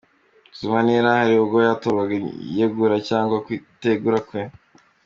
Zuma ntiyari ahari ubwo hatorwaga iyegura cyangwa kutegura kwe.